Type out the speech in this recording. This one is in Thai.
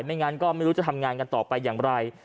งั้นก็ไม่รู้จะทำงานกันต่อไปอย่างไร